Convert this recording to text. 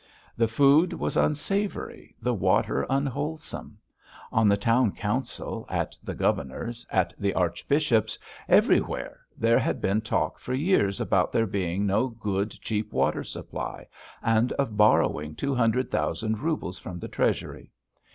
The food was unsavoury, the water unwholesome. On the town council, at the governor's, at the archbishop's, everywhere there had been talk for years about there being no good, cheap water supply and of borrowing two hundred thousand roubles from the Treasury.